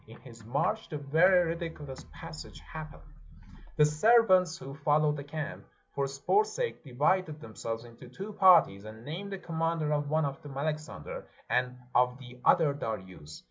In his march, a very ridiculous passage hap 369 PERSIA pened. The servants who followed the camp, for sport's sake divided themselves into two parties, and named the commander of one of them Alexander, and of the other Darius.